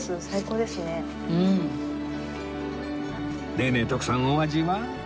ねえねえ徳さんお味は？